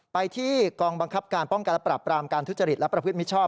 ไปที่กองบังคับการป้องกันและปรับปรามการทุจริตและประพฤติมิชชอบ